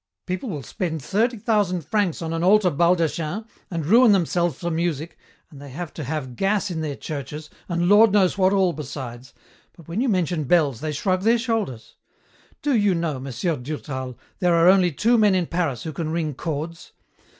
"People will spend thirty thousand francs on an altar baldachin, and ruin themselves for music, and they have to have gas in their churches, and Lord knows what all besides, but when you mention bells they shrug their shoulders. Do you know, M. Durtal, there are only two men in Paris who can ring chords?